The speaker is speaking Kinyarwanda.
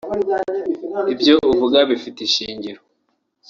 Ibyo uvuga bifite ishingiro